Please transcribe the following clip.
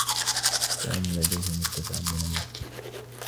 توم لديهِ متسع من الوقت.